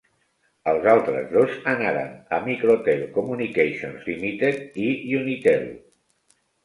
Els altres dos anaren a Microtel Communications Limited i Unitel.